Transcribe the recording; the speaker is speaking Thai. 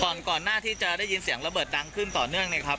ก่อนก่อนหน้าที่จะได้ยินเสียงระเบิดดังขึ้นต่อเนื่องเนี่ยครับ